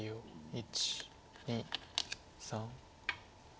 １２３。